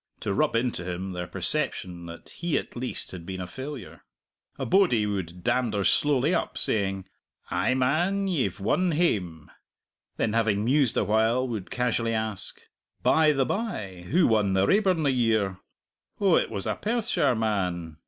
to rub into him their perception that he at least had been a failure. A bodie would dander slowly up, saying, "Ay, man, ye've won hame!" Then, having mused awhile, would casually ask, "By the bye, who won the Raeburn the year? Oh, it was a Perthshire man!